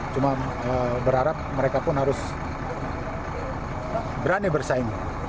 cuma berharap mereka pun harus berani bersaing